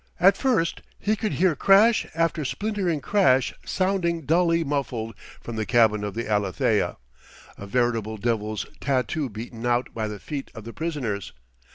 At first he could hear crash after splintering crash sounding dully muffled from the cabin of the Alethea: a veritable devil's tattoo beaten out by the feet of the prisoners.